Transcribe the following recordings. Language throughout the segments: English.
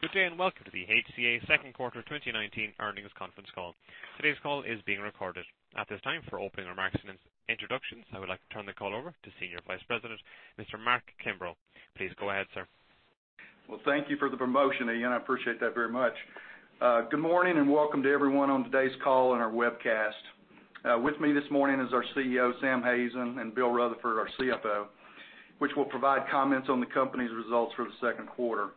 Good day. Welcome to the HCA second quarter 2019 earnings conference call. Today's call is being recorded. At this time, for opening remarks and introductions, I would like to turn the call over to Senior Vice President, Mr. Mark Kimbrough. Please go ahead, sir. Well, thank you for the promotion, Ian. I appreciate that very much. Good morning, and welcome to everyone on today's call and our webcast. With me this morning is our CEO, Sam Hazen, and Bill Rutherford, our CFO, which will provide comments on the company's results for the second quarter.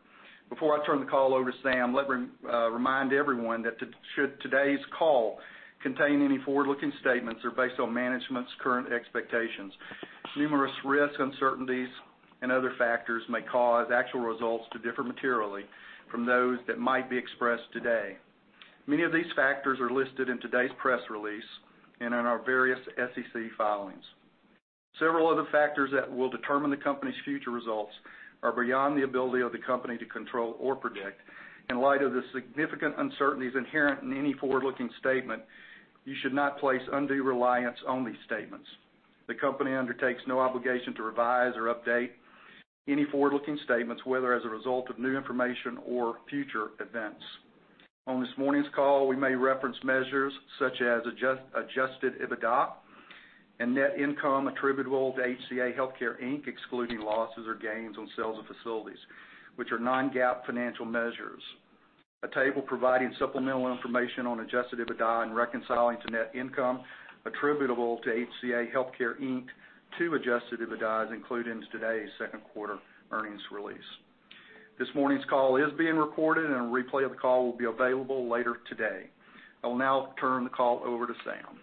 Before I turn the call over to Sam, let me remind everyone that should today's call contain any forward-looking statements are based on management's current expectations. Numerous risks, uncertainties, and other factors may cause actual results to differ materially from those that might be expressed today. Many of these factors are listed in today's press release and in our various SEC filings. Several other factors that will determine the company's future results are beyond the ability of the company to control or predict. In light of the significant uncertainties inherent in any forward-looking statement, you should not place undue reliance on these statements. The company undertakes no obligation to revise or update any forward-looking statements, whether as a result of new information or future events. On this morning's call, we may reference measures such as adjusted EBITDA and net income attributable to HCA Healthcare, Inc., excluding losses or gains on sales of facilities, which are non-GAAP financial measures. A table providing supplemental information on adjusted EBITDA and reconciling to net income attributable to HCA Healthcare, Inc. to adjusted EBITDA is included in today's second quarter earnings release. This morning's call is being recorded, and a replay of the call will be available later today. I will now turn the call over to Sam.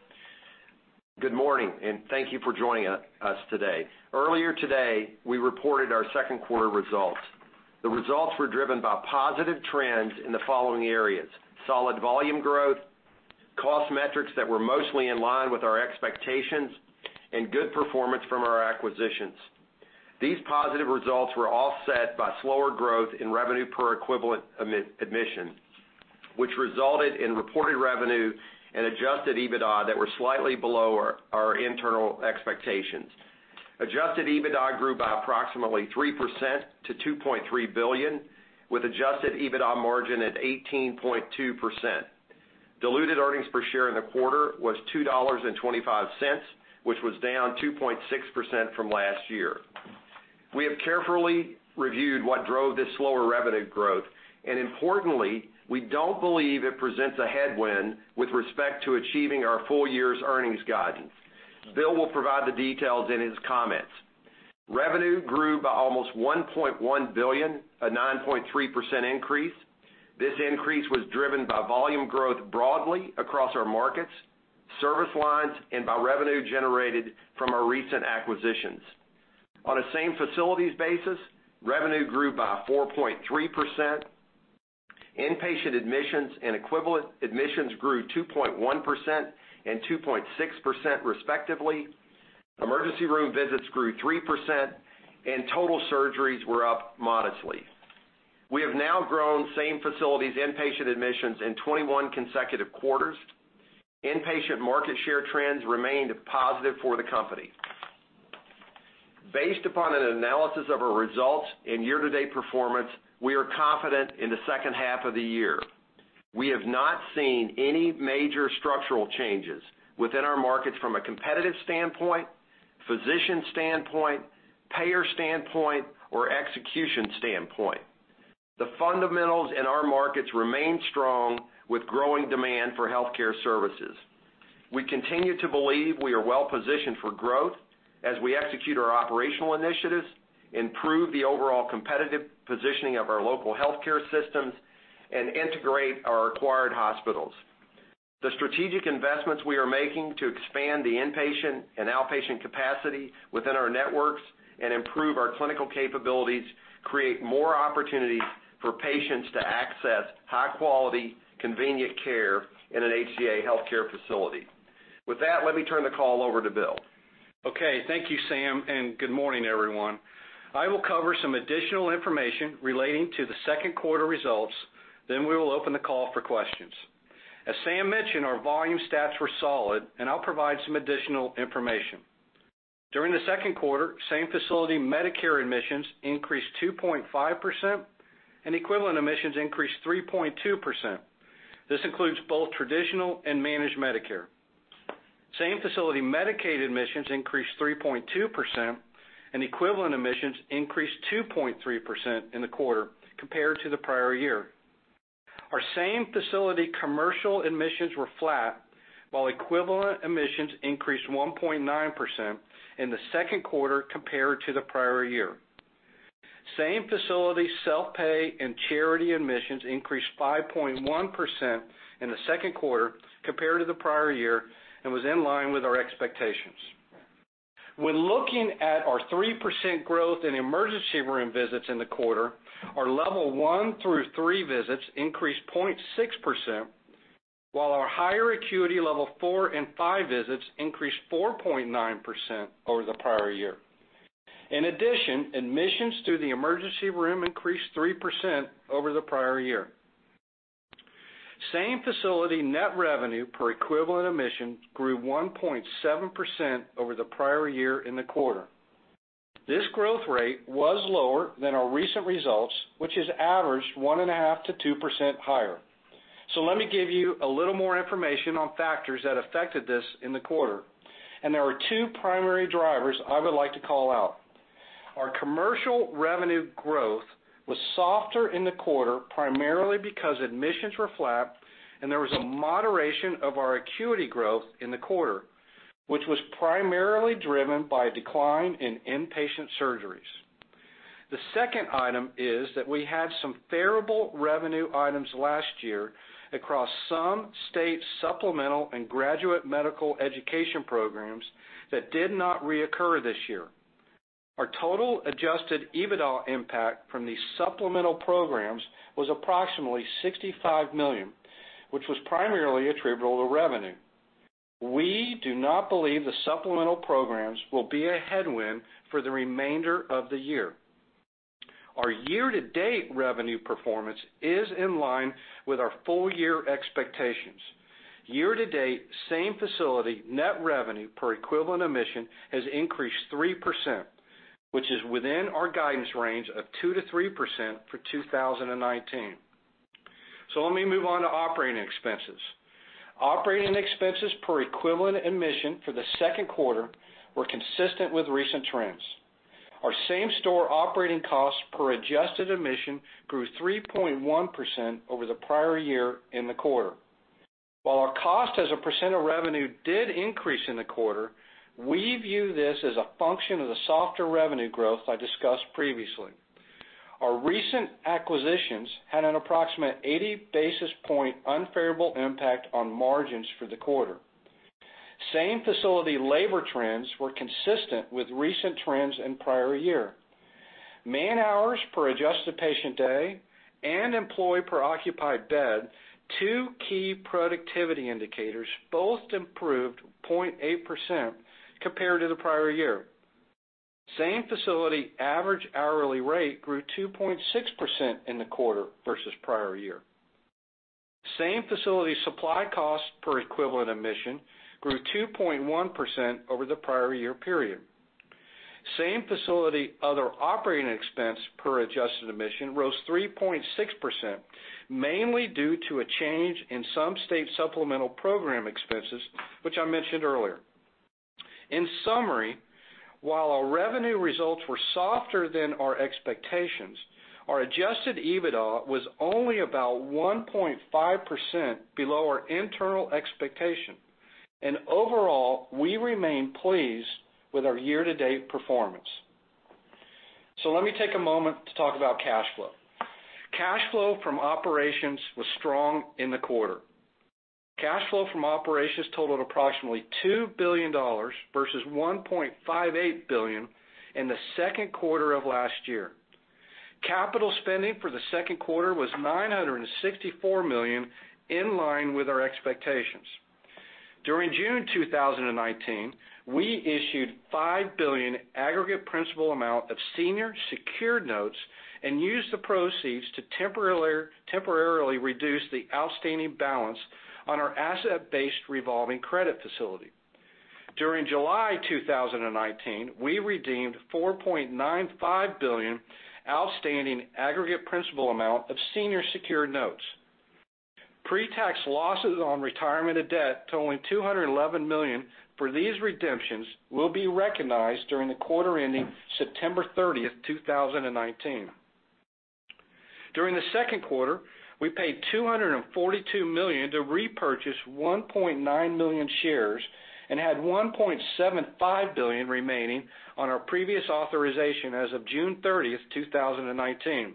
Good morning, and thank you for joining us today. Earlier today, we reported our second quarter results. The results were driven by positive trends in the following areas: solid volume growth, cost metrics that were mostly in line with our expectations, and good performance from our acquisitions. These positive results were offset by slower growth in revenue per equivalent admission, which resulted in reported revenue and adjusted EBITDA that were slightly below our internal expectations. Adjusted EBITDA grew by approximately 3% to $2.3 billion, with adjusted EBITDA margin at 18.2%. Diluted earnings per share in the quarter was $2.25, which was down 2.6% from last year. We have carefully reviewed what drove this slower revenue growth. Importantly, we don't believe it presents a headwind with respect to achieving our full year's earnings guidance. Bill will provide the details in his comments. Revenue grew by almost $1.1 billion, a 9.3% increase. This increase was driven by volume growth broadly across our markets, service lines, and by revenue generated from our recent acquisitions. On a same facilities basis, revenue grew by 4.3%. Inpatient admissions and equivalent admissions grew 2.1% and 2.6% respectively. Emergency room visits grew 3%, and total surgeries were up modestly. We have now grown same facilities inpatient admissions in 21 consecutive quarters. Inpatient market share trends remained positive for the company. Based upon an analysis of our results and year-to-date performance, we are confident in the second half of the year. We have not seen any major structural changes within our markets from a competitive standpoint, physician standpoint, payer standpoint, or execution standpoint. The fundamentals in our markets remain strong with growing demand for healthcare services. We continue to believe we are well-positioned for growth as we execute our operational initiatives, improve the overall competitive positioning of our local healthcare systems, and integrate our acquired hospitals. The strategic investments we are making to expand the inpatient and outpatient capacity within our networks and improve our clinical capabilities create more opportunities for patients to access high-quality, convenient care in an HCA Healthcare facility. With that, let me turn the call over to Bill. Thank you, Sam, good morning, everyone. I will cover some additional information relating to the second quarter results, then we will open the call for questions. As Sam mentioned, our volume stats were solid, and I'll provide some additional information. During the second quarter, same-facility Medicare admissions increased 2.5%, and equivalent admissions increased 3.2%. This includes both traditional and managed Medicare. Same-facility Medicaid admissions increased 3.2%, and equivalent admissions increased 2.3% in the quarter compared to the prior year. Our same-facility commercial admissions were flat, while equivalent admissions increased 1.9% in the second quarter compared to the prior year. Same-facility self-pay and charity admissions increased 5.1% in the second quarter compared to the prior year and was in line with our expectations. When looking at our 3% growth in emergency room visits in the quarter, our level 1 through 3 visits increased 0.6%, while our higher acuity level 4 and 5 visits increased 4.9% over the prior year. Admissions to the emergency room increased 3% over the prior year. Same-facility net revenue per equivalent admission grew 1.7% over the prior year in the quarter. This growth rate was lower than our recent results, which has averaged 1.5%-2% higher. Let me give you a little more information on factors that affected this in the quarter, and there are two primary drivers I would like to call out. Our commercial revenue growth was softer in the quarter, primarily because admissions were flat and there was a moderation of our acuity growth in the quarter, which was primarily driven by a decline in inpatient surgeries. The second item is that we had some favorable revenue items last year across some state supplemental and graduate medical education programs that did not reoccur this year. Our total adjusted EBITDA impact from these supplemental programs was approximately $65 million, which was primarily attributable to revenue. We do not believe the supplemental programs will be a headwind for the remainder of the year. Our year-to-date revenue performance is in line with our full-year expectations. Year-to-date, same-facility net revenue per equivalent admission has increased 3%, which is within our guidance range of 2%-3% for 2019. Let me move on to operating expenses. Operating expenses per equivalent admission for the second quarter were consistent with recent trends. Our same-store operating costs per adjusted admission grew 3.1% over the prior year in the quarter. While our cost as a percent of revenue did increase in the quarter, we view this as a function of the softer revenue growth I discussed previously. Our recent acquisitions had an approximate 80 basis points unfavorable impact on margins for the quarter. Same-facility labor trends were consistent with recent trends in prior year. Man-hours per adjusted patient day and employee per occupied bed, two key productivity indicators, both improved 0.8% compared to the prior year. Same-facility average hourly rate grew 2.6% in the quarter versus prior year. Same-facility supply cost per equivalent admission grew 2.1% over the prior year period. Same-facility other operating expense per adjusted admission rose 3.6%, mainly due to a change in some state supplemental program expenses, which I mentioned earlier. In summary, while our revenue results were softer than our expectations, our adjusted EBITDA was only about 1.5% below our internal expectation. Overall, we remain pleased with our year-to-date performance. Let me take a moment to talk about cash flow. Cash flow from operations was strong in the quarter. Cash flow from operations totaled approximately $2 billion versus $1.58 billion in the second quarter of last year. Capital spending for the second quarter was $964 million, in line with our expectations. During June 2019, we issued $5 billion aggregate principal amount of senior secured notes and used the proceeds to temporarily reduce the outstanding balance on our asset-based revolving credit facility. During July 2019, we redeemed $4.95 billion outstanding aggregate principal amount of senior secured notes. Pre-tax losses on retirement of debt totaling $211 million for these redemptions will be recognized during the quarter ending September 30th, 2019. During the second quarter, we paid $242 million to repurchase 1.9 million shares and had $1.75 billion remaining on our previous authorization as of June 30th, 2019.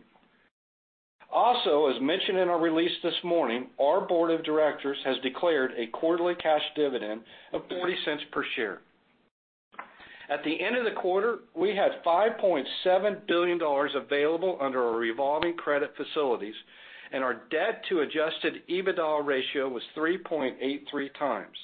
As mentioned in our release this morning, our board of directors has declared a quarterly cash dividend of $0.30 per share. At the end of the quarter, we had $5.7 billion available under our revolving credit facilities, and our debt to adjusted EBITDA ratio was 3.83 times.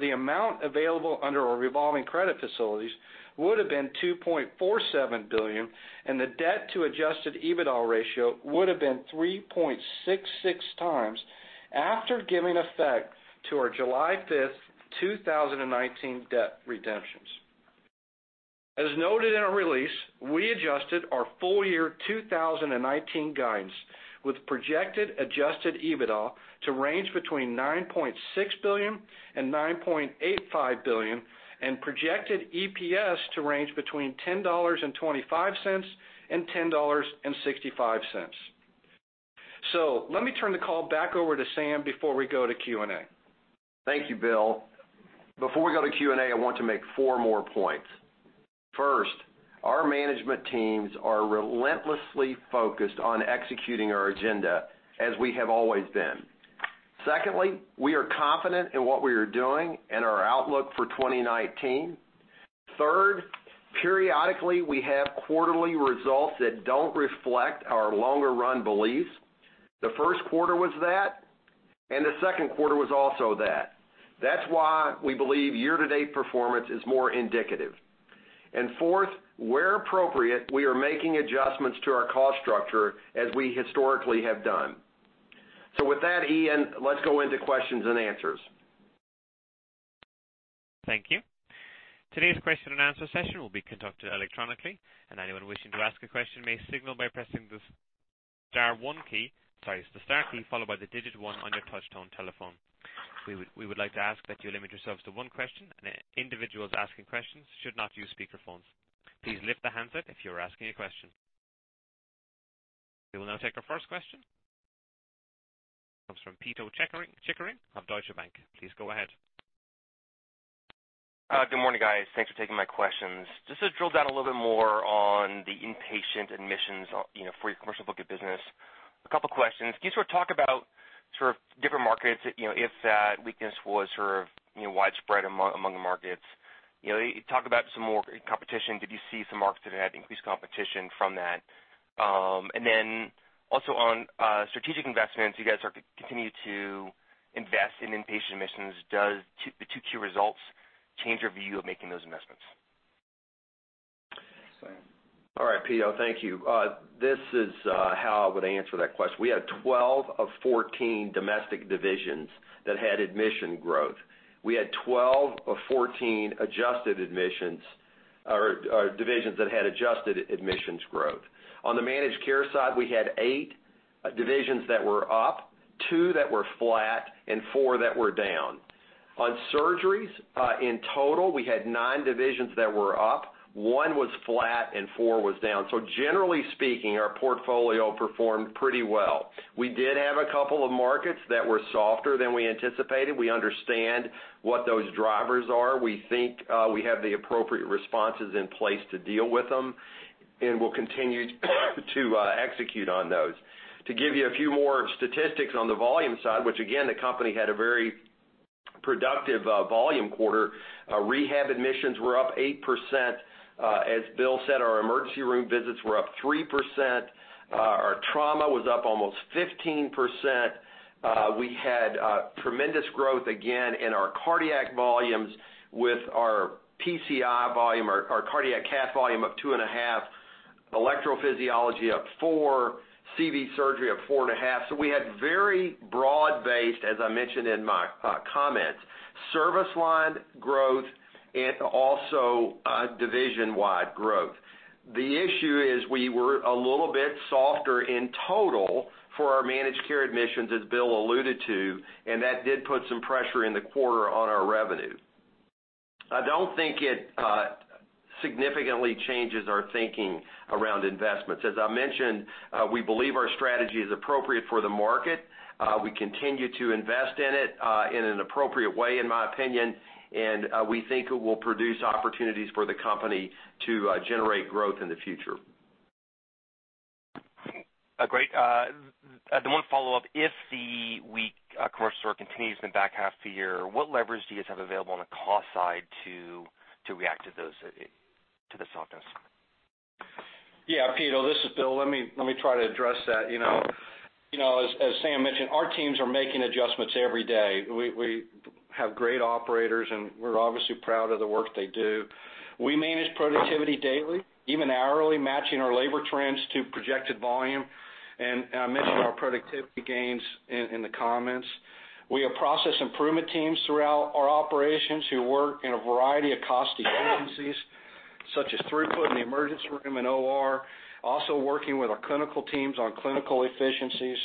The amount available under our revolving credit facilities would've been $2.47 billion, and the debt to adjusted EBITDA ratio would've been 3.66 times after giving effect to our July 5th, 2019 debt redemptions. As noted in our release, we adjusted our full year 2019 guidance with projected adjusted EBITDA to range between $9.6 billion and $9.85 billion, and projected EPS to range between $10.25 and $10.65. Let me turn the call back over to Sam before we go to Q&A. Thank you, Bill. Before we go to Q&A, I want to make four more points. First, our management teams are relentlessly focused on executing our agenda as we have always been. Secondly, we are confident in what we are doing and our outlook for 2019. Third, periodically, we have quarterly results that don't reflect our longer run beliefs. The first quarter was that. The second quarter was also that. That's why we believe year-to-date performance is more indicative. Fourth, where appropriate, we are making adjustments to our cost structure as we historically have done. With that, Ian, let's go into questions and answers. Thank you. Today's question and answer session will be conducted electronically, and anyone wishing to ask a question may signal by pressing the star key followed by the digit 1 on your touch-tone telephone. We would like to ask that you limit yourselves to one question, and individuals asking questions should not use speakerphones. Please lift the handset if you're asking a question. We will now take our first question. Comes from Pito Chickering of Deutsche Bank. Please go ahead. Good morning, guys. Thanks for taking my questions. Just to drill down a little bit more on the inpatient admissions for your commercial book of business, a couple questions. Can you talk about different markets, if that weakness was widespread among the markets? You talked about some more competition. Did you see some markets that had increased competition from that? Then also on strategic investments, you guys are continuing to invest in inpatient admissions. Do the 2Q results change your view of making those investments? Sam? All right, Pito, thank you. This is how I would answer that question. We had 12 of 14 domestic divisions that had admission growth. We had 12 of 14 divisions that had adjusted admissions growth. On the managed care side, we had eight divisions that were up, two that were flat, and four that were down. On surgeries, in total, we had nine divisions that were up, one was flat, and four was down. Generally speaking, our portfolio performed pretty well. We did have a couple of markets that were softer than we anticipated. We understand what those drivers are. We think we have the appropriate responses in place to deal with them, and we'll continue to execute on those. To give you a few more statistics on the volume side, which again, the company had a very productive volume quarter. Rehab admissions were up 8%. As Bill said, our emergency room visits were up 3%. Our trauma was up almost 15%. We had tremendous growth again in our cardiac volumes with our PCI volume, our cardiac cath volume up 2.5%, electrophysiology up 4%, CV surgery up 4.5%. We had very broad-based, as I mentioned in my comments, service line growth and also division-wide growth. The issue is we were a little bit softer in total for our managed care admissions, as Bill alluded to, and that did put some pressure in the quarter on our revenue. I don't think it significantly changes our thinking around investments. As I mentioned, we believe our strategy is appropriate for the market. We continue to invest in it in an appropriate way, in my opinion, and we think it will produce opportunities for the company to generate growth in the future. Great. The one follow-up, if the weak commercial story continues in the back half of the year, what leverage do you guys have available on the cost side to react to the softness? Yeah, Peter, this is Bill. Let me try to address that. As Sam mentioned, our teams are making adjustments every day. We have great operators, and we're obviously proud of the work they do. We manage productivity daily, even hourly, matching our labor trends to projected volume. I mentioned our productivity gains in the comments. We have process improvement teams throughout our operations who work in a variety of cost efficiencies, such as throughput in the emergency room and OR, also working with our clinical teams on clinical efficiencies.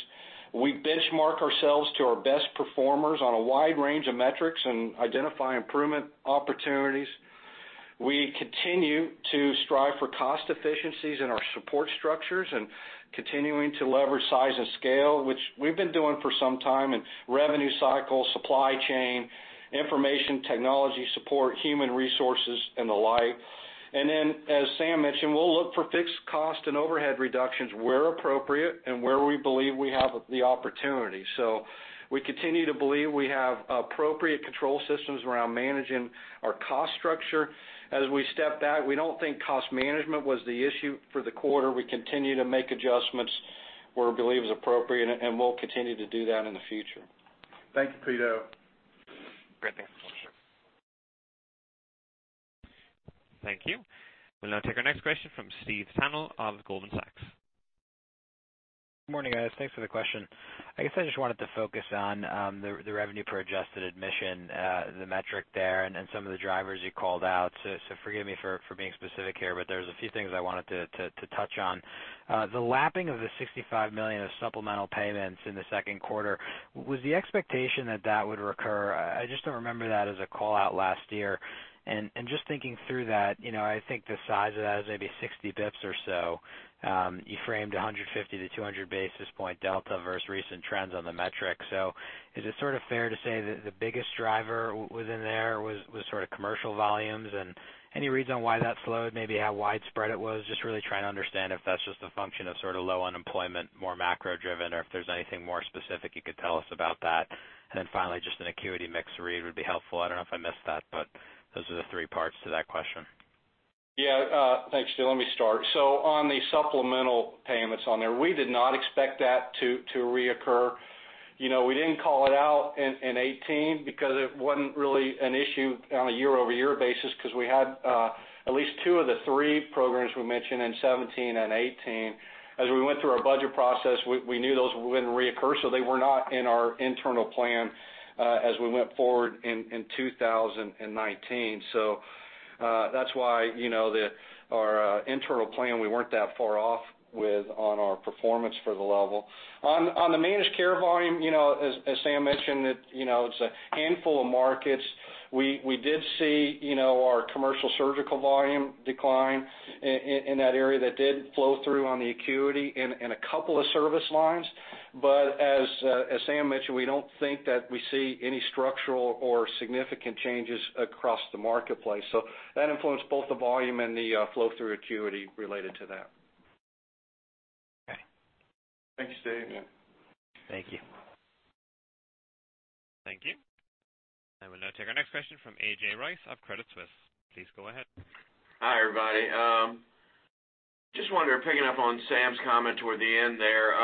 We benchmark ourselves to our best performers on a wide range of metrics and identify improvement opportunities. We continue to strive for cost efficiencies in our support structures and continuing to leverage size and scale, which we've been doing for some time in revenue cycle, supply chain, information technology support, human resources, and the like. As Sam mentioned, we'll look for fixed cost and overhead reductions where appropriate and where we believe we have the opportunity. We continue to believe we have appropriate control systems around managing our cost structure. As we step back, we don't think cost management was the issue for the quarter. We continue to make adjustments where we believe is appropriate, and we'll continue to do that in the future. Thank you, Peter. Great. Thanks so much. Thank you. We'll now take our next question from Steve Tanal of Goldman Sachs. Good morning, guys. Thanks for the question. I guess I just wanted to focus on the revenue per adjusted admission, the metric there, and some of the drivers you called out. Forgive me for being specific here, there's a few things I wanted to touch on. The lapping of the $65 million of supplemental payments in the second quarter, was the expectation that that would recur? I just don't remember that as a call-out last year. Just thinking through that, I think the size of that is maybe 60 basis points or so. You framed 150 basis point-200 basis point delta versus recent trends on the metric. Is it fair to say that the biggest driver within there was commercial volumes? Any reason why that slowed, maybe how widespread it was? Just really trying to understand if that's just a function of low unemployment, more macro-driven, or if there's anything more specific you could tell us about that. Finally, just an acuity mix read would be helpful. I don't know if I missed that, those are the three parts to that question. Yeah. Thanks, Steve. Let me start. On the supplemental payments on there, we did not expect that to reoccur. We didn't call it out in 2018 because it wasn't really an issue on a year-over-year basis because we had at least two of the three programs we mentioned in 2017 and 2018. As we went through our budget process, we knew those wouldn't reoccur, so they were not in our internal plan as we went forward in 2019. That's why, our internal plan, we weren't that far off with on our performance for the level. On the managed care volume, as Sam mentioned, it's a handful of markets. We did see our commercial surgical volume decline in that area. That did flow through on the acuity in a couple of service lines. As Sam mentioned, we don't think that we see any structural or significant changes across the marketplace. That influenced both the volume and the flow-through acuity related to that. Okay. Thanks, Steve, yeah. Thank you. Thank you. I will now take our next question from A.J. Rice of Credit Suisse. Please go ahead. Hi, everybody. Just wondering, picking up on Sam's comment toward the end there,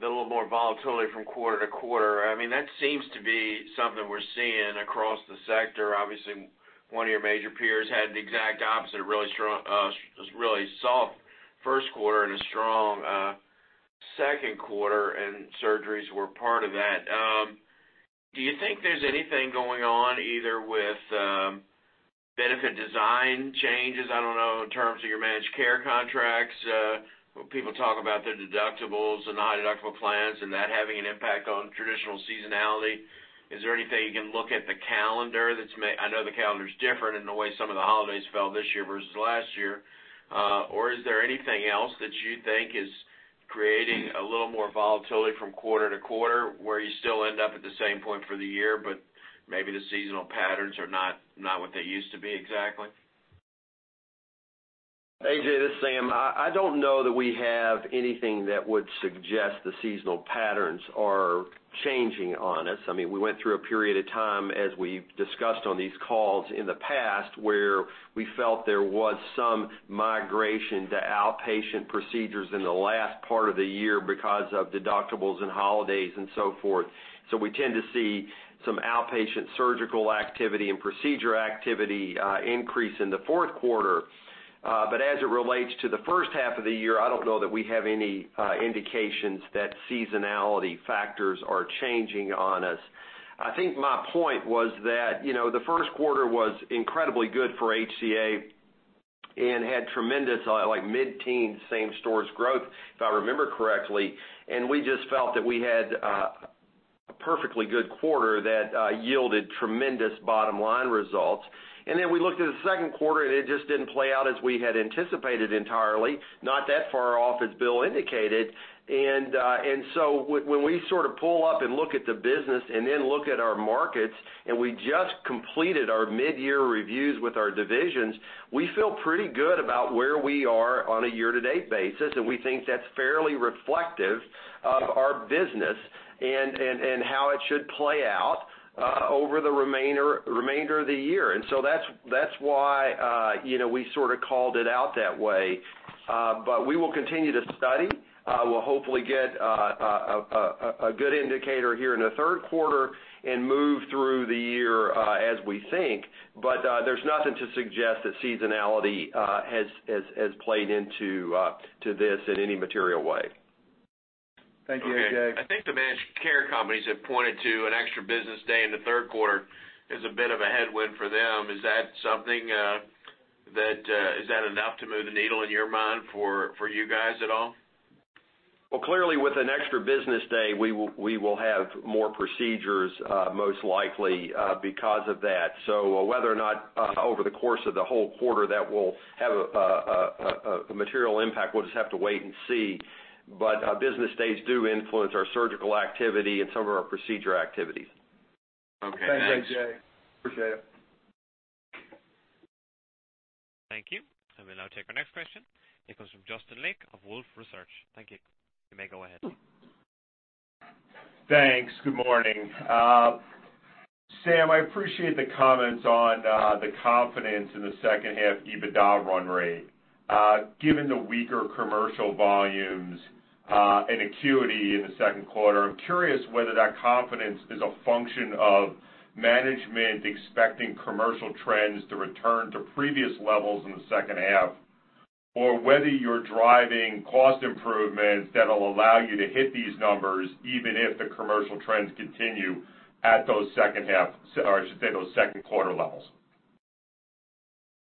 the little more volatility from quarter to quarter, that seems to be something we're seeing across the sector. Obviously, one of your major peers had the exact opposite, a really soft first quarter and a strong second quarter, and surgeries were part of that. Do you think there's anything going on, either with benefit design changes, I don't know, in terms of your managed care contracts? People talk about the deductibles and the high-deductible plans and that having an impact on traditional seasonality. Is there anything, you can look at the calendar? I know the calendar's different in the way some of the holidays fell this year versus last year. Is there anything else that you think is creating a little more volatility from quarter to quarter, where you still end up at the same point for the year, but maybe the seasonal patterns are not what they used to be exactly? A.J., this is Sam. I don't know that we have anything that would suggest the seasonal patterns are changing on us. We went through a period of time, as we've discussed on these calls in the past, where we felt there was some migration to outpatient procedures in the last part of the year because of deductibles and holidays and so forth. We tend to see some outpatient surgical activity and procedure activity increase in the fourth quarter. As it relates to the first half of the year, I don't know that we have any indications that seasonality factors are changing on us. I think my point was that, the first quarter was incredibly good for HCA and had tremendous mid-teen same-stores growth, if I remember correctly. We just felt that we had a perfectly good quarter that yielded tremendous bottom-line results. We looked at the second quarter, it just didn't play out as we had anticipated entirely, not that far off as Bill indicated. When we sort of pull up and look at the business and then look at our markets, we just completed our mid-year reviews with our divisions, we feel pretty good about where we are on a year-to-date basis, we think that's fairly reflective of our business and how it should play out over the remainder of the year. That's why we sort of called it out that way. We will continue to study. We'll hopefully get a good indicator here in the third quarter and move through the year as we think. There's nothing to suggest that seasonality has played into this in any material way. Thank you, A.J. Okay. I think the managed care companies have pointed to an extra business day in the third quarter as a bit of a headwind for them. Is that enough to move the needle in your mind for you guys at all? Clearly, with an extra business day, we will have more procedures, most likely, because of that. Whether or not, over the course of the whole quarter, that will have a material impact, we'll just have to wait and see. Business days do influence our surgical activity and some of our procedure activities. Okay, thanks. Thanks, A.J. Appreciate it. Thank you. I will now take our next question. It comes from Justin Lake of Wolfe Research. Thank you. You may go ahead. Thanks. Good morning. Sam, I appreciate the comments on the confidence in the second half EBITDA run rate. Given the weaker commercial volumes and acuity in the second quarter, I'm curious whether that confidence is a function of management expecting commercial trends to return to previous levels in the second half or whether you're driving cost improvements that'll allow you to hit these numbers even if the commercial trends continue at those second quarter levels.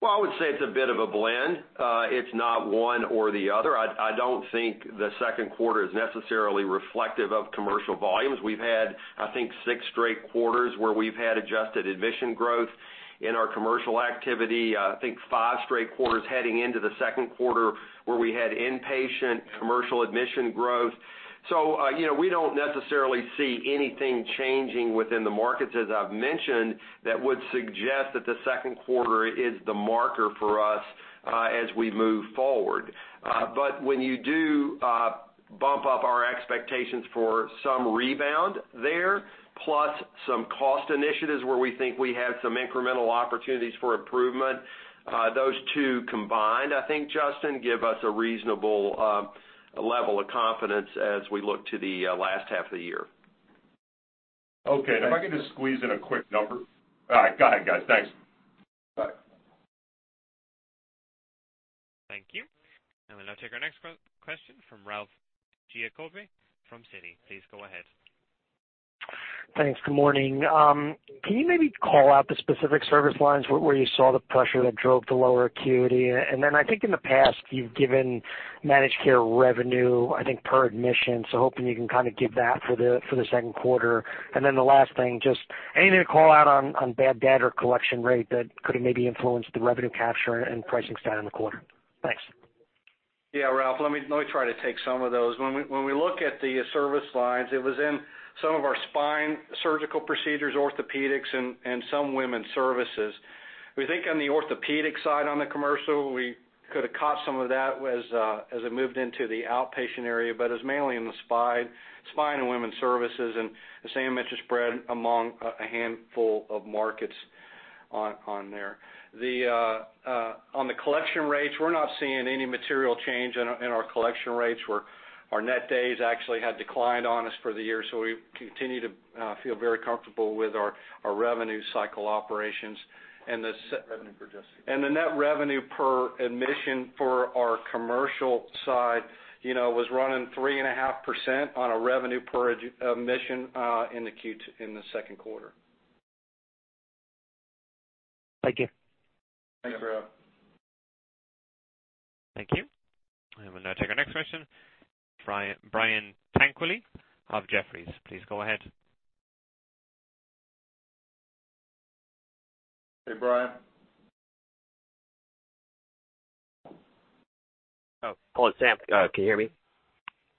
Well, I would say it's a bit of a blend. It's not one or the other. I don't think the second quarter is necessarily reflective of commercial volumes. We've had, I think, 6 straight quarters where we've had adjusted admission growth in our commercial activity. I think five straight quarters heading into the second quarter where we had inpatient commercial admission growth. We don't necessarily see anything changing within the markets, as I've mentioned, that would suggest that the second quarter is the marker for us as we move forward. When you do bump up our expectations for some rebound there, plus some cost initiatives where we think we have some incremental opportunities for improvement. Those two combined, I think, Justin, give us a reasonable level of confidence as we look to the last half of the year. Okay. If I can just squeeze in a quick number. All right, go ahead, guys. Thanks. Bye. Thank you. We'll now take our next question from Ralph Giacobbe from Citi. Please go ahead. Thanks. Good morning. Can you maybe call out the specific service lines where you saw the pressure that drove the lower acuity? Then I think in the past you've given managed care revenue, I think per admission. So hoping you can give that for the second quarter. Then the last thing, just anything to call out on bad debt or collection rate that could have maybe influenced the revenue capture and pricing stat in the quarter? Thanks. Yeah, Ralph, let me try to take some of those. When we look at the service lines, it was in some of our spine surgical procedures, orthopedics, and some women's services. We think on the orthopedic side, on the commercial, we could have caught some of that as it moved into the outpatient area, but it was mainly in the spine and women's services, and as Sam mentioned, spread among a handful of markets on there. On the collection rates, we're not seeing any material change in our collection rates, where our net days actually had declined on us for the year, so we continue to feel very comfortable with our revenue cycle operations. Revenue per. The net revenue per admission for our commercial side was running 3.5% on a revenue per admission in the second quarter. Thank you. Thanks, Ralph. Thank you. We'll now take our next question. Brian Tanquilut of Jefferies, please go ahead. Hey, Brian. Hello, Sam. Can you hear me?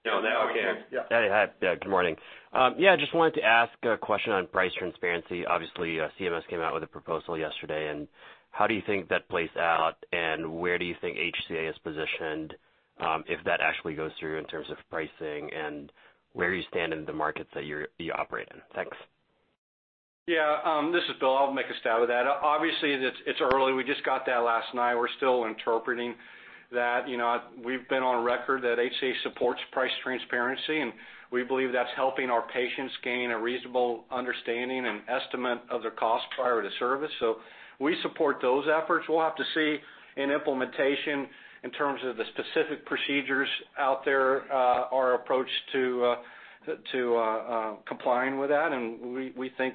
Now I can, yeah. Hey. Good morning. Yeah, just wanted to ask a question on price transparency. Obviously, CMS came out with a proposal yesterday, and how do you think that plays out, and where do you think HCA is positioned, if that actually goes through in terms of pricing, and where you stand in the markets that you operate in? Thanks. Yeah. This is Bill. I'll make a stab at that. Obviously, it's early. We just got that last night. We're still interpreting that. We've been on record that HCA supports price transparency, and we believe that's helping our patients gain a reasonable understanding and estimate of their costs prior to service. We support those efforts. We'll have to see in implementation in terms of the specific procedures out there, our approach to complying with that, and we think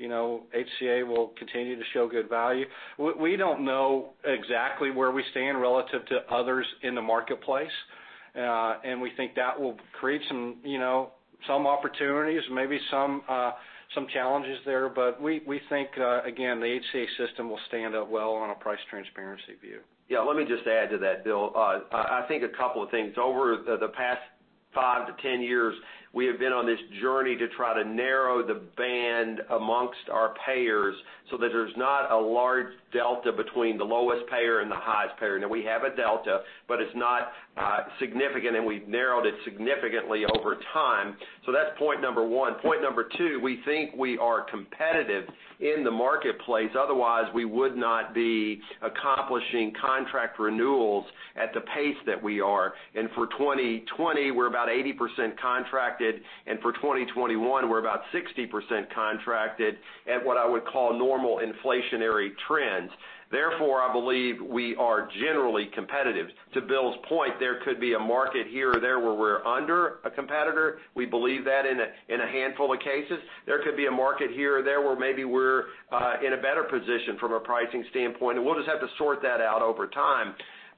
HCA will continue to show good value. We don't know exactly where we stand relative to others in the marketplace. We think that will create some opportunities, maybe some challenges there. We think, again, the HCA system will stand up well on a price transparency view. Yeah, let me just add to that, Bill. I think a couple of things. Over the past 5 to 10 years, we have been on this journey to try to narrow the band amongst our payers so that there's not a large delta between the lowest payer and the highest payer. We have a delta, but it's not significant, and we've narrowed it significantly over time. That's point number one. Point number two, we think we are competitive in the marketplace, otherwise we would not be accomplishing contract renewals at the pace that we are. For 2020, we're about 80% contracted, and for 2021, we're about 60% contracted at what I would call normal inflationary trends. Therefore, I believe we are generally competitive. To Bill's point, there could be a market here or there where we're under a competitor. We believe that in a handful of cases. There could be a market here or there where maybe we're in a better position from a pricing standpoint, and we'll just have to sort that out over time.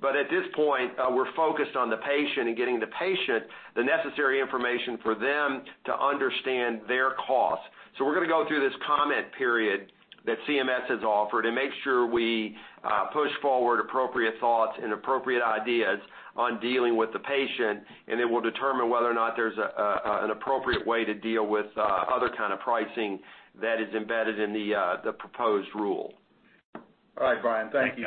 At this point, we're focused on the patient and getting the patient the necessary information for them to understand their costs. We're going to go through this comment period that CMS has offered and make sure we push forward appropriate thoughts and appropriate ideas on dealing with the patient, and then we'll determine whether or not there's an appropriate way to deal with other kind of pricing that is embedded in the proposed rule. All right, Brian, thank you.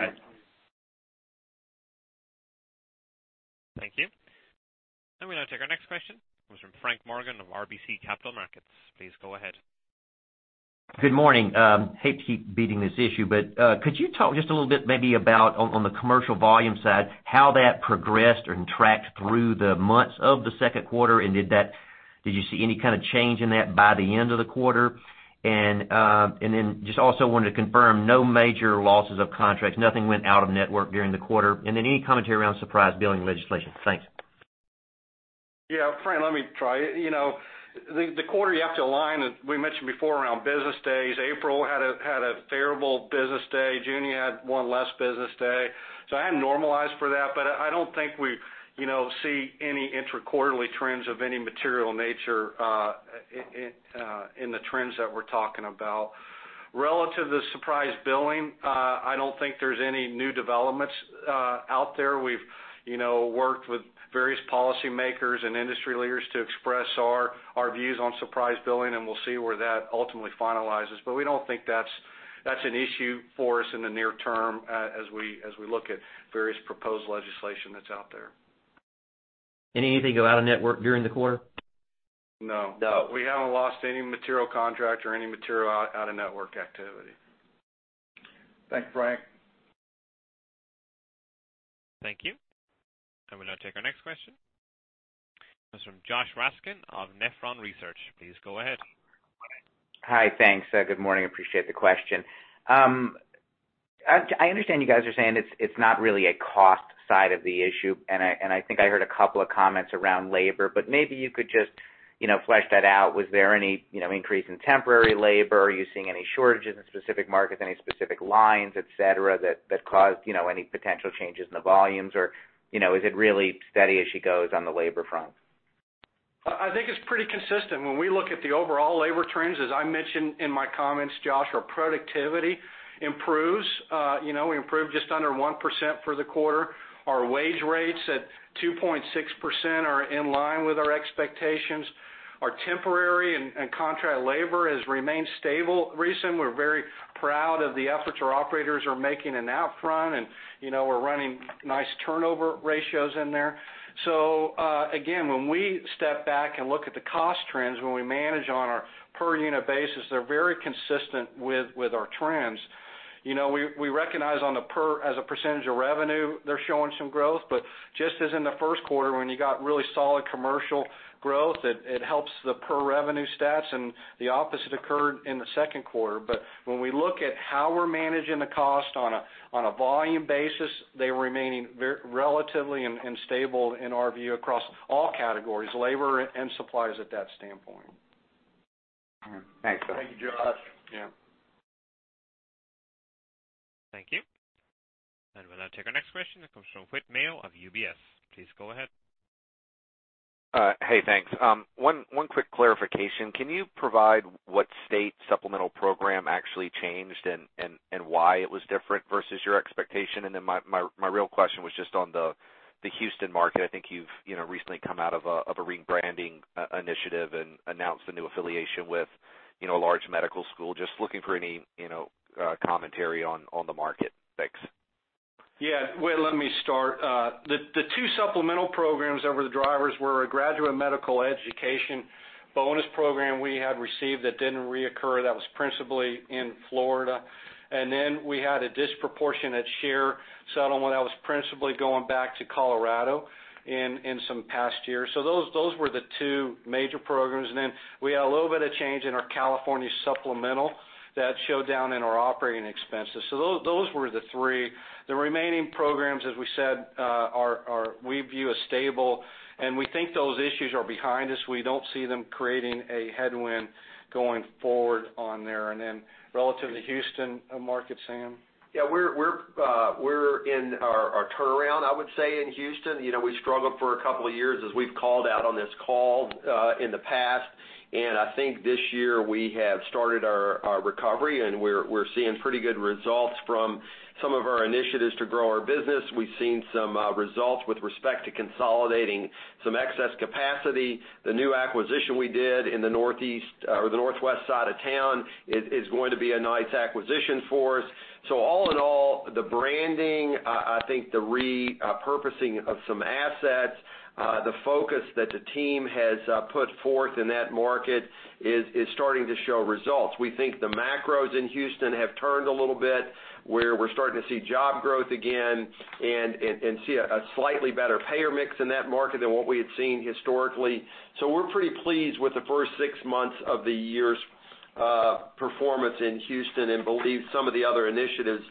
Thanks, guys. Thank you. We'll now take our next question, comes from Frank Morgan of RBC Capital Markets. Please go ahead. Good morning. Hate to keep beating this issue, could you talk just a little bit maybe about on the commercial volume side, how that progressed and tracked through the months of the second quarter? Did you see any kind of change in that by the end of the quarter? Just also wanted to confirm, no major losses of contracts, nothing went out of network during the quarter? Any commentary around surprise billing legislation? Thanks. Yeah, Frank, let me try. The quarter, you have to align, as we mentioned before, around business days. April had a favorable business day. June had one less business day. I haven't normalized for that, but I don't think we see any interquarterly trends of any material nature in the trends that we're talking about. Relative to surprise billing, I don't think there's any new developments out there. We've worked with various policymakers and industry leaders to express our views on surprise billing, and we'll see where that ultimately finalizes, but we don't think that's an issue for us in the near term as we look at various proposed legislation that's out there. Any of you go out-of-network during the quarter? No. No. We haven't lost any material contract or any material out-of-network activity. Thanks, Frank. Thank you. I will now take our next question. This is from Josh Raskin of Nephron Research. Please go ahead. Hi. Thanks. Good morning, appreciate the question. I understand you guys are saying it's not really a cost side of the issue, and I think I heard a couple of comments around labor, but maybe you could just flesh that out. Was there any increase in temporary labor? Are you seeing any shortages in specific markets, any specific lines, et cetera, that caused any potential changes in the volumes? Is it really steady as she goes on the labor front? I think it's pretty consistent. When we look at the overall labor trends, as I mentioned in my comments, Josh, our productivity improves. We improved just under 1% for the quarter. Our wage rates at 2.6% are in line with our expectations. Our temporary and contract labor has remained stable recently. We're very proud of the efforts our operators are making in Outfront, and we're running nice turnover ratios in there. Again, when we step back and look at the cost trends, when we manage on our per unit basis, they're very consistent with our trends. We recognize as a percentage of revenue, they're showing some growth, just as in the first quarter, when you got really solid commercial growth, it helps the per revenue stats, and the opposite occurred in the second quarter. When we look at how we're managing the cost on a volume basis, they're remaining relatively and stable in our view, across all categories, labor and supplies at that standpoint. All right. Thanks. Thank you, Josh. Yeah. Thank you. We'll now take our next question, which comes from Whit Mayo of UBS. Please go ahead. Hey, thanks. One quick clarification. Can you provide what state supplemental program actually changed and why it was different versus your expectation? My real question was just on the Houston market. I think you've recently come out of a rebranding initiative and announced a new affiliation with a large medical school. Just looking for any commentary on the market. Thanks. Yeah. Whit, let me start. The two supplemental programs that were the drivers were a graduate medical education bonus program we had received that didn't reoccur, that was principally in Florida. We had a disproportionate share settlement that was principally going back to Colorado in some past years. Those were the two major programs. We had a little bit of change in our California supplemental that showed down in our operating expenses. Those were the three. The remaining programs, as we said, we view as stable, and we think those issues are behind us. We don't see them creating a headwind going forward on there. Relative to Houston market, Sam? Yeah. We're in our turnaround, I would say, in Houston. We struggled for a couple of years, as we've called out on this call, in the past. I think this year, we have started our recovery, and we're seeing pretty good results from some of our initiatives to grow our business. We've seen some results with respect to consolidating some excess capacity. The new acquisition we did in the northeast or the northwest side of town is going to be a nice acquisition for us. All in all, the branding, I think the repurposing of some assets, the focus that the team has put forth in that market is starting to show results. We think the macros in Houston have turned a little bit, where we're starting to see job growth again and see a slightly better payer mix in that market than what we had seen historically. We're pretty pleased with the first six months of the year's performance in Houston and believe some of the other initiatives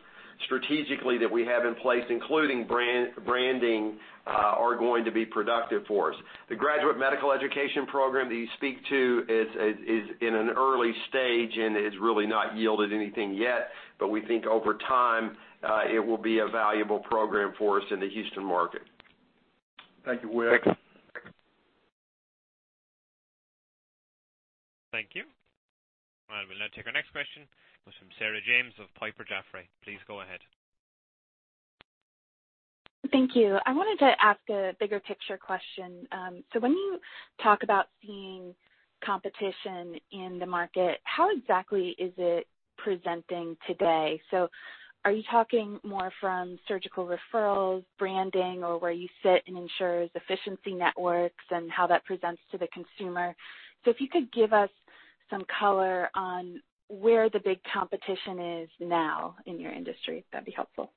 strategically that we have in place, including branding, are going to be productive for us. The graduate medical education program that you speak to is in an early stage, and it's really not yielded anything yet. We think over time, it will be a valuable program for us in the Houston market. Thank you, Whit. Thank you. I will now take our next question, which is from Sarah James of Piper Jaffray. Please go ahead. Thank you. I wanted to ask a bigger picture question. When you talk about seeing competition in the market, how exactly is it presenting today? Are you talking more from surgical referrals, branding, or where you sit in insurers' efficiency networks and how that presents to the consumer? If you could give us some color on where the big competition is now in your industry, that'd be helpful.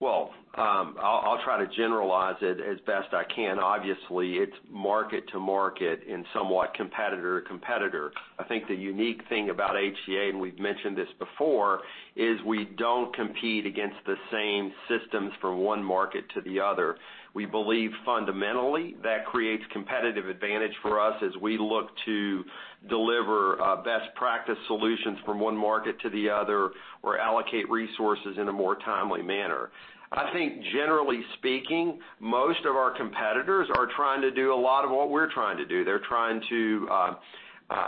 Well, I'll try to generalize it as best I can. Obviously, it's market to market and somewhat competitor to competitor. I think the unique thing about HCA, and we've mentioned this before, is we don't compete against the same systems from one market to the other. We believe fundamentally that creates competitive advantage for us as we look to deliver best practice solutions from one market to the other or allocate resources in a more timely manner. I think generally speaking, most of our competitors are trying to do a lot of what we're trying to do. They're trying to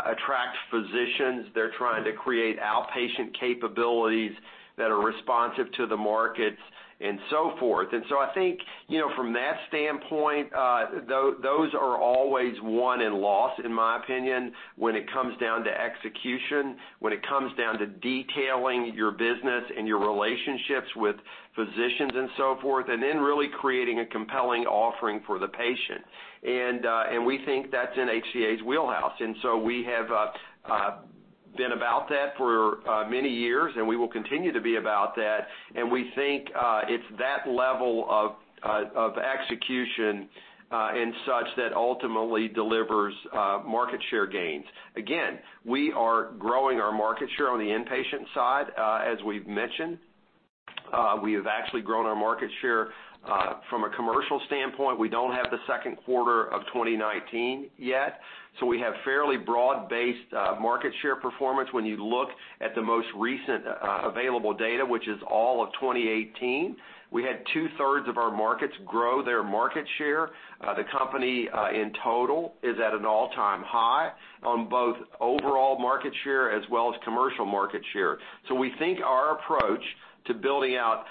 attract physicians. They're trying to create outpatient capabilities that are responsive to the markets and so forth. I think, from that standpoint, those are always won and lost, in my opinion, when it comes down to execution, when it comes down to detailing your business and your relationships with physicians and so forth. Creating a compelling offering for the patient. We think that's in HCA's wheelhouse. We have been about that for many years, and we will continue to be about that. We think it's that level of execution and such that ultimately delivers market share gains. Again, we are growing our market share on the inpatient side, as we've mentioned. We have actually grown our market share from a commercial standpoint. We don't have the second quarter of 2019 yet, so we have fairly broad-based market share performance when you look at the most recent available data, which is all of 2018. We had two-thirds of our markets grow their market share. The company, in total, is at an all-time high on both overall market share as well as commercial market share. We think our approach to building out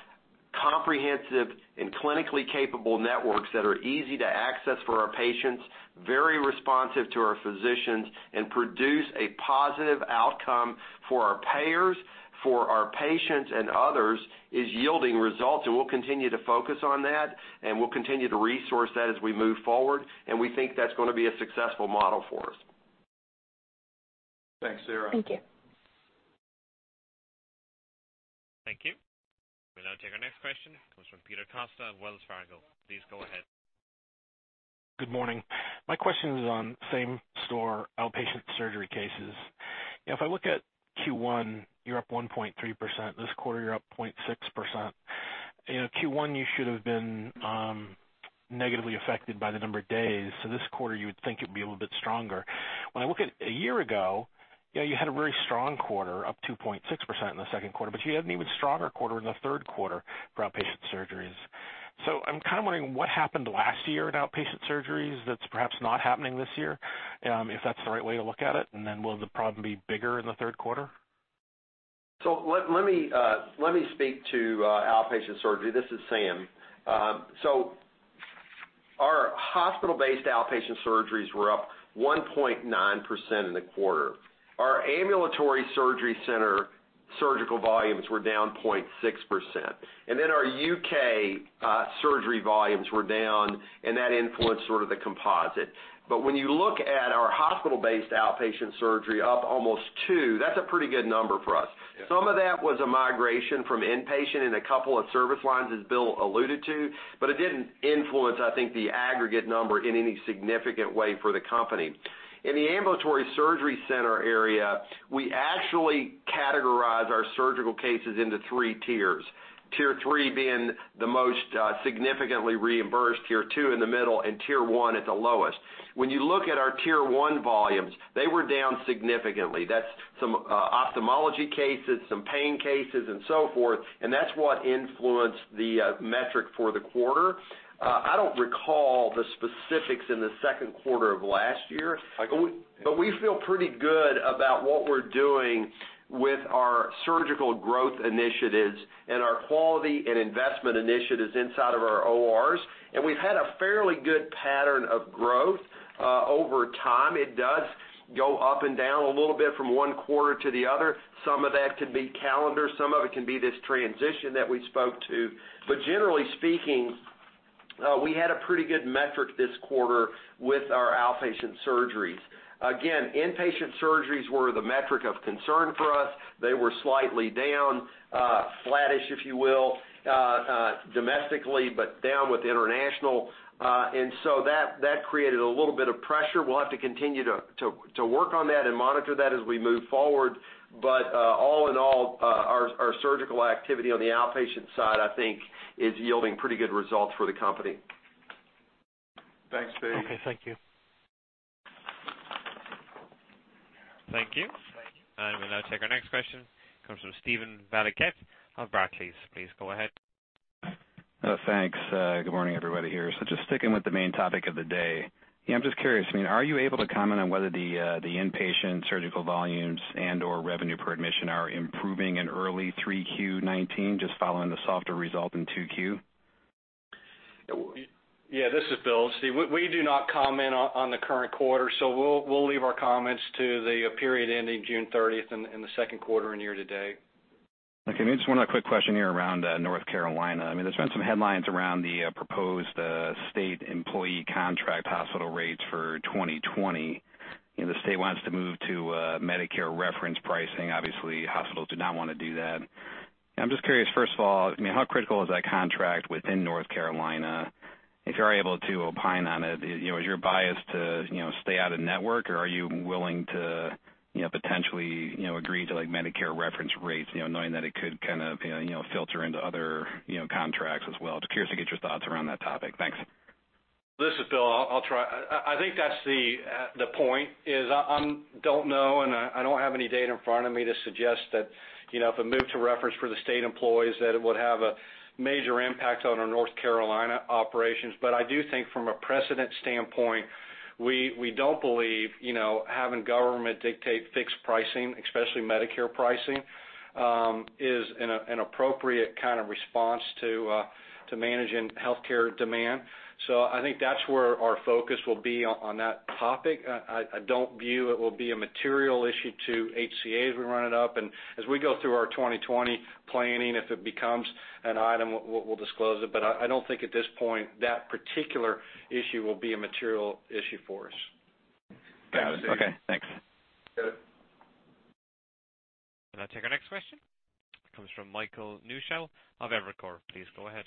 comprehensive and clinically capable networks that are easy to access for our patients, very responsive to our physicians, and produce a positive outcome for our payers, for our patients, and others, is yielding results, and we'll continue to focus on that, and we'll continue to resource that as we move forward. We think that's going to be a successful model for us. Thanks, Sarah. Thank you. Thank you. We'll now take our next question. It comes from Peter Costa of Wells Fargo. Please go ahead. Good morning. My question is on same store outpatient surgery cases. If I look at Q1, you're up 1.3%. This quarter, you're up 0.6%. Q1, you should have been negatively affected by the number of days, so this quarter you would think it'd be a little bit stronger. When I look at a year ago, you had a very strong quarter, up 2.6% in the second quarter, but you had an even stronger quarter in the third quarter for outpatient surgeries. I'm wondering what happened last year in outpatient surgeries that's perhaps not happening this year, if that's the right way to look at it? Will the problem be bigger in the third quarter? Let me speak to outpatient surgery. This is Sam. Our hospital-based outpatient surgeries were up 1.9% in the quarter. Our ambulatory surgery center surgical volumes were down 0.6%. Our U.K. surgery volumes were down, and that influenced the composite. When you look at our hospital-based outpatient surgery up almost two, that's a pretty good number for us. Yeah. Some of that was a migration from inpatient in a couple of service lines, as Bill alluded to. It didn't influence, I think, the aggregate number in any significant way for the company. In the ambulatory surgery center area, we actually categorize our surgical cases into three tiers. Tier 3 being the most significantly reimbursed, tier 2 in the middle, and tier 1 at the lowest. When you look at our tier 1 volumes, they were down significantly. That's some ophthalmology cases, some pain cases and so forth, and that's what influenced the metric for the quarter. I don't recall the specifics in the second quarter of last year. I can look. We feel pretty good about what we're doing with our surgical growth initiatives and our quality and investment initiatives inside of our ORs, and we've had a fairly good pattern of growth over time. It does go up and down a little bit from one quarter to the other. Some of that could be calendar, some of it can be this transition that we spoke to. Generally speaking, we had a pretty good metric this quarter with our outpatient surgeries. Again, inpatient surgeries were the metric of concern for us. They were slightly down, flattish, if you will, domestically, but down with international. That created a little bit of pressure. We'll have to continue to work on that and monitor that as we move forward. All in all, our surgical activity on the outpatient side, I think is yielding pretty good results for the company. Thanks, Pete. Okay. Thank you. Thank you. I will now take our next question. Comes from Steven Valiquette of Barclays. Please go ahead. Thanks. Good morning, everybody here. Just sticking with the main topic of the day. I'm just curious, are you able to comment on whether the inpatient surgical volumes and/or revenue per admission are improving in early Q3 2019, just following the softer result in Q2? Yeah. This is Bill. Steve, we do not comment on the current quarter, so we'll leave our comments to the period ending June 30th in the second quarter and year to date. Okay. I just one quick question here around North Carolina. There's been some headlines around the proposed state employee contract hospital rates for 2020. The state wants to move to Medicare reference pricing. Obviously, hospitals do not want to do that. I'm just curious, first of all, how critical is that contract within North Carolina? If you are able to opine on it, is your bias to stay out of network, or are you willing to potentially agree to Medicare reference rates, knowing that it could filter into other contracts as well? Just curious to get your thoughts around that topic. Thanks. This is Bill. I'll try. I think that's the point, is I don't know, and I don't have any data in front of me to suggest that if a move to reference for the state employees, that it would have a major impact on our North Carolina operations. I do think from a precedent standpoint, we don't believe having government dictate fixed pricing, especially Medicare pricing, is an appropriate response to managing healthcare demand. I think that's where our focus will be on that topic. I don't view it will be a material issue to HCA as we run it up. As we go through our 2020 planning, if it becomes an item, we'll disclose it. I don't think at this point that particular issue will be a material issue for us. Got it. Okay, thanks. Good. We'll now take our next question, comes from Michael Newshel of Evercore. Please go ahead.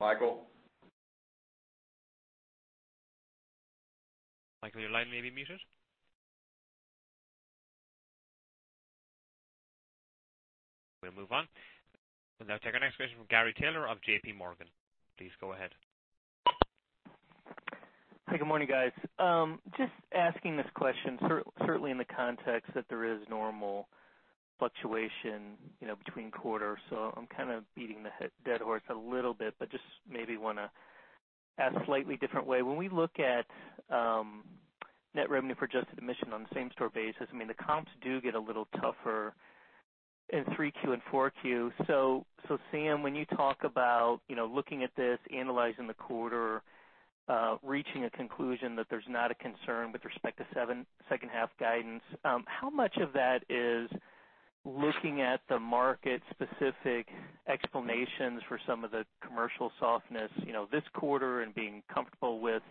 Michael? Michael, your line may be muted. We'll move on. We'll now take our next question from Gary Taylor of JP Morgan. Please go ahead. Hi. Good morning, guys. Just asking this question, certainly in the context that there is normal fluctuation between quarters, so I'm kind of beating the dead horse a little bit, but just maybe want to ask a slightly different way. When we look at net revenue for adjusted admission on the same-store basis, I mean, the comps do get a little tougher in 3Q and 4Q. So Sam, when you talk about looking at this, analyzing the quarter, reaching a conclusion that there's not a concern with respect to second half guidance, how much of that is looking at the market-specific explanations for some of the commercial softness this quarter and being comfortable with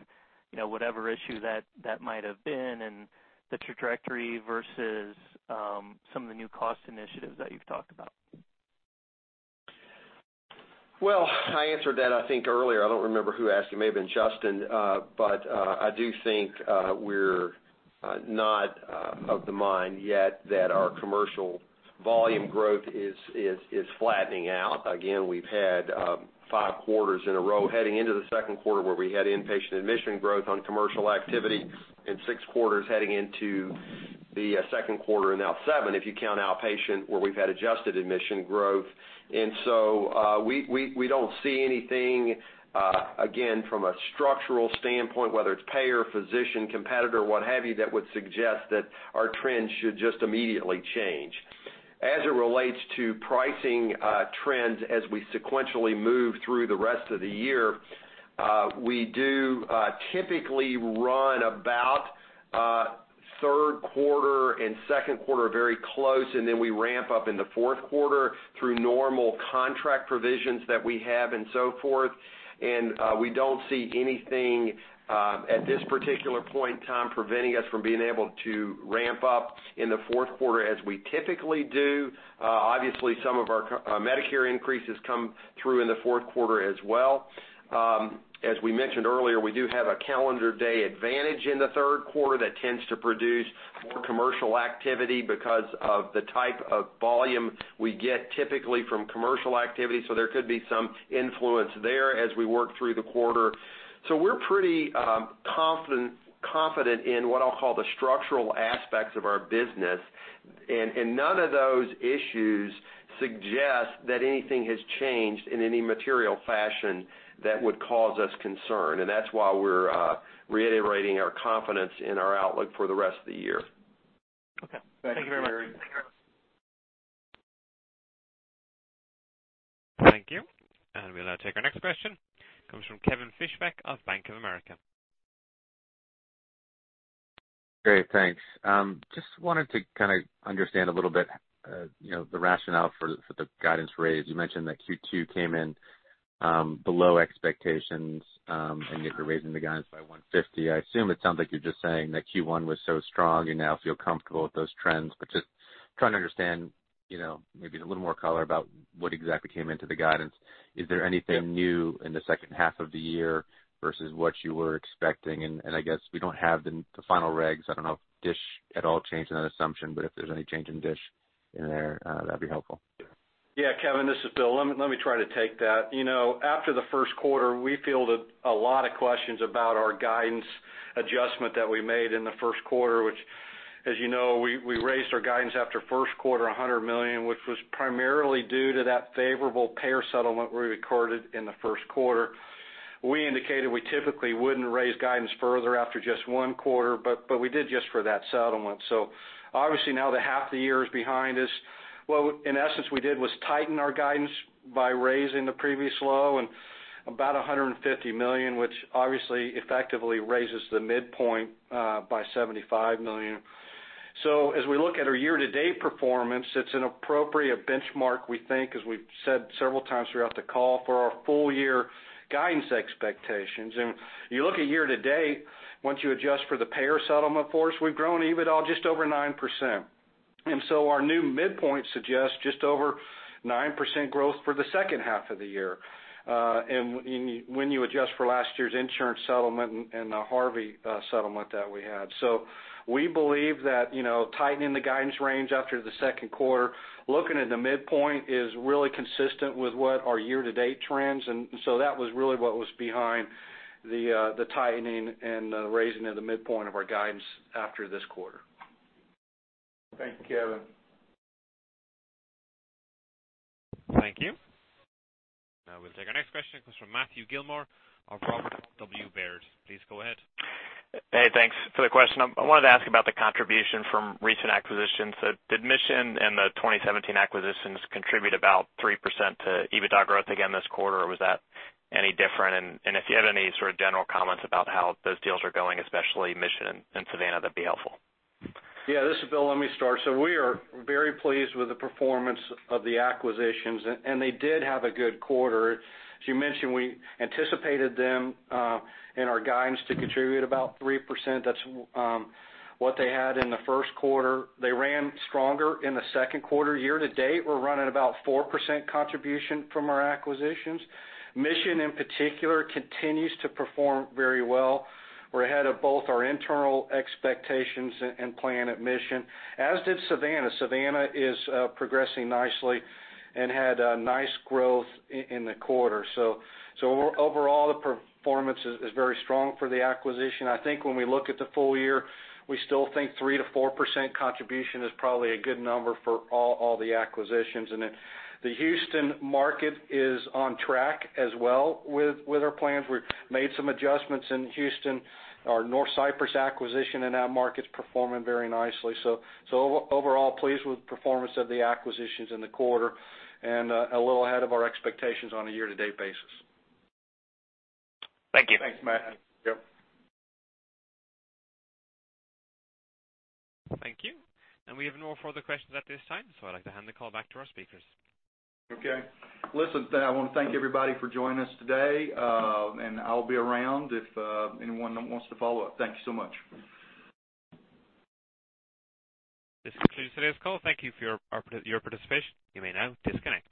whatever issue that might have been and the trajectory versus some of the new cost initiatives that you've talked about? Well, I answered that, I think, earlier. I don't remember who asked it. It may have been Justin. I do think we're not of the mind yet that our commercial volume growth is flattening out. Again, we've had five quarters in a row heading into the second quarter where we had inpatient admission growth on commercial activity in six quarters heading into the second quarter, and now seven, if you count outpatient, where we've had adjusted admission growth. We don't see anything, again, from a structural standpoint, whether it's payer, physician, competitor, what have you, that would suggest that our trends should just immediately change. As it relates to pricing trends as we sequentially move through the rest of the year, we do typically run about third quarter and second quarter very close, and then we ramp up in the fourth quarter through normal contract provisions that we have and so forth. We don't see anything at this particular point in time preventing us from being able to ramp up in the fourth quarter as we typically do. Obviously, some of our Medicare increases come through in the fourth quarter as well. As we mentioned earlier, we do have a calendar day advantage in the third quarter that tends to produce more commercial activity because of the type of volume we get typically from commercial activity. There could be some influence there as we work through the quarter. We're pretty confident in what I'll call the structural aspects of our business, and none of those issues suggest that anything has changed in any material fashion that would cause us concern. That's why we're reiterating our confidence in our outlook for the rest of the year. Okay. Thank you very much. Thanks, Gary. Thank you. We'll now take our next question, comes from Kevin Fischbeck of Bank of America. Great. Thanks. Just wanted to kind of understand a little bit the rationale for the guidance raise. You mentioned that Q2 came in below expectations, yet you're raising the guidance by $150. I assume it sounds like you're just saying that Q1 was so strong, you now feel comfortable with those trends, just trying to understand, maybe a little more color about what exactly came into the guidance. Is there anything new in the second half of the year versus what you were expecting? I guess we don't have the final regs. I don't know if DSH at all changed in that assumption, if there's any change in DSH in there, that'd be helpful. Yeah, Kevin. This is Bill. Let me try to take that. After the first quarter, we fielded a lot of questions about our guidance adjustment that we made in the first quarter, which, as you know, we raised our guidance after first quarter $100 million, which was primarily due to that favorable payer settlement we recorded in the first quarter. We indicated we typically wouldn't raise guidance further after just one quarter, but we did just for that settlement. Obviously now that half the year is behind us, what, in essence, we did was tighten our guidance by raising the previous low and about $150 million, which obviously effectively raises the midpoint by $75 million. As we look at our year-to-date performance, it's an appropriate benchmark, we think, as we've said several times throughout the call, for our full-year guidance expectations. You look at year-to-date, once you adjust for the payer settlement for us, we've grown EBITDA just over 9%. Our new midpoint suggests just over 9% growth for the second half of the year, when you adjust for last year's insurance settlement and the Harvey settlement that we had. We believe that tightening the guidance range after the second quarter, looking at the midpoint is really consistent with what our year-to-date trends. That was really what was behind the tightening and the raising of the midpoint of our guidance after this quarter. Thank you, Kevin. Thank you. Now we'll take our next question, comes from Matthew Gillmor of Robert W. Baird. Please go ahead. Hey, thanks for the question. I wanted to ask about the contribution from recent acquisitions. Did Mission and the 2017 acquisitions contribute about 3% to EBITDA growth again this quarter, or was that any different? If you have any sort of general comments about how those deals are going, especially Mission and Savannah, that'd be helpful. Yeah, this is Bill. Let me start. We are very pleased with the performance of the acquisitions, and they did have a good quarter. As you mentioned, we anticipated them in our guidance to contribute about 3%. That's what they had in the first quarter. They ran stronger in the second quarter. Year to date, we're running about 4% contribution from our acquisitions. Mission in particular continues to perform very well. We're ahead of both our internal expectations and plan at Mission, as did Savannah. Savannah is progressing nicely and had a nice growth in the quarter. Overall, the performance is very strong for the acquisition. I think when we look at the full year, we still think 3%-4% contribution is probably a good number for all the acquisitions. The Houston market is on track as well with our plans. We've made some adjustments in Houston, our North Cypress acquisition in that market's performing very nicely. Overall, pleased with the performance of the acquisitions in the quarter and a little ahead of our expectations on a year-to-date basis. Thank you. Thanks, Matthew. Yep. Thank you. We have no further questions at this time, so I'd like to hand the call back to our speakers. Okay. Listen, I want to thank everybody for joining us today, and I'll be around if anyone wants to follow up. Thank you so much. This concludes today's call. Thank Thank you for your participation. You may now disconnect.